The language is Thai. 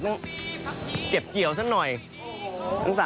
ต้องเก็บเกี่ยวซะหน่อยทั้ง๓ท่ั้น